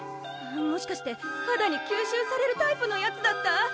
もしかしてはだに吸収されるタイプのやつだった？